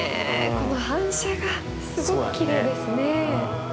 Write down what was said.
この反射がすごくきれいですね。